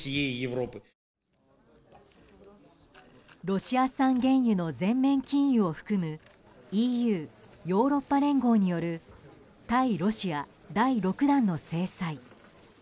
ロシア産原油の全面禁輸を含むＥＵ・ヨーロッパ連合による対ロシア第６弾の制裁。